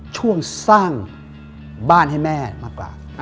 ช่วงสร้างบ้านให้แม่มากกว่า